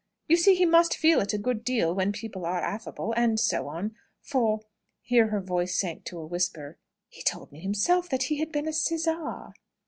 You see he must feel it a good deal when people are affable, and so on, for" here her voice sank to a whisper "he told me himself that he had been a sizar."